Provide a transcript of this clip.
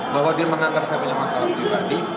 bahwa dia menganggap saya punya masalah pribadi